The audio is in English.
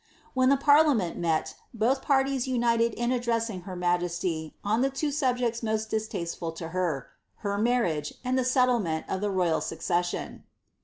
When the pariiaoient met, both parties united in addressing her ma jesty oa the two subjects most distasteful to her — her marriage and the •cttlement of the royal succession.